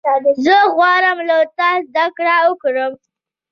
زه غواړم له تا زدهکړه وکړم.